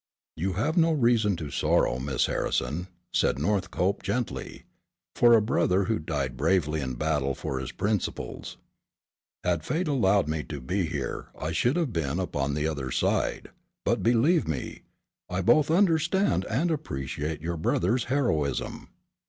"You have no reason to sorrow, Miss Harrison," said Northcope gently, "for a brother who died bravely in battle for his principles. Had fate allowed me to be here I should have been upon the other side, but believe me, I both understand and appreciate your brother's heroism."